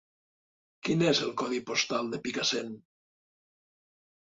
Quin és el codi postal de Picassent?